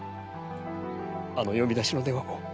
あの呼び出しの電話も。